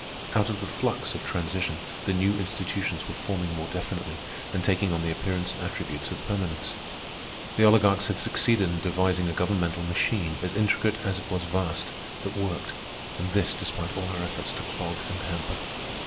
Out of the flux of transition the new institutions were forming more definitely and taking on the appearance and attributes of permanence. The oligarchs had succeeded in devising a governmental machine, as intricate as it was vast, that worked—and this despite all our efforts to clog and hamper.